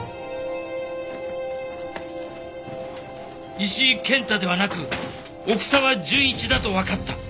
石井健太ではなく奥沢純一だとわかった。